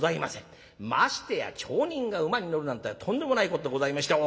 ましてや町人が馬に乗るなんてとんでもないことでございまして。